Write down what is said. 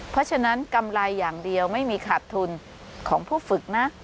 เพราะฉะนั้นกำไรอย่างเดียวไม่มีขาดทุนของผู้ฝึกนะ